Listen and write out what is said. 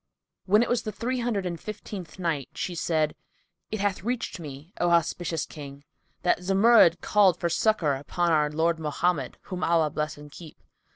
When it was the Three Hundred and Fifteenth Night, She said, It hath reached me, O auspicious King, that Zumurrud called for succour upon our Lord Mohammed (whom Allah bless and keep!).